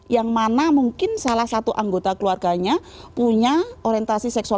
yang mana mungkin salah satu anggota keluarganya punya orientasi seksual